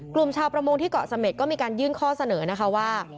กลุ่มชาวประมงที่เกาะเสม็ดก็มีการยื่นข้อเสนอนะคะว่า